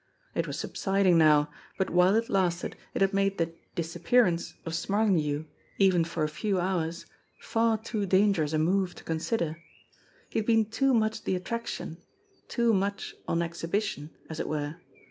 It was subsiding now, but while it lasted it had made the "disappearance" of Smarlinghue, even for a few hours, far too dangerous a move to consider ; he had been too much the attraction, too much on exhibition, as it were.